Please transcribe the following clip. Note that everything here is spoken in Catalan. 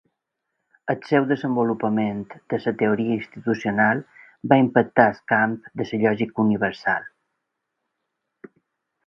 El seu desenvolupament de la teoria institucional va impactar el camp de la lògica universal.